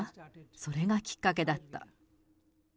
それがきっかけだった。